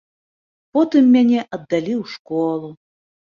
Потым мяне аддалі ў школу.